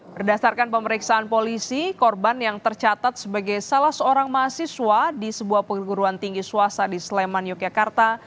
berdasarkan pemeriksaan polisi korban yang tercatat sebagai salah seorang mahasiswa di sebuah perguruan tinggi swasta di sleman yogyakarta